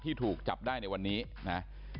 ถูกจับได้ในวันนี้นะ